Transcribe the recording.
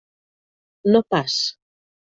No pas.